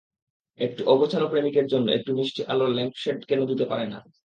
একটু অগোছালো প্রেমিকের জন্য একটা মিষ্টি আলোর ল্যাম্পশেড কিনে দিতে পারেন।